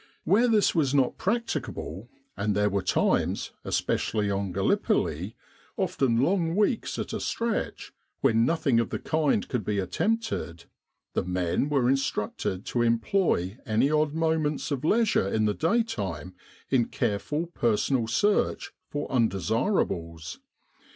Inhere this was not prac ticable and there were times, especially on Gallipoli, often long weeks at a stretch, when nothing of the kind could be attempted the men were instructed to employ any odd moments of leisure in the daytime in careful personal search for undesirables.